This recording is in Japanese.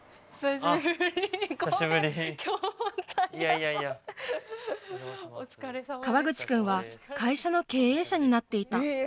川口君は会社の経営者になっていた。